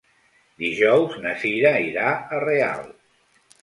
Dijous na Cira irà a Real.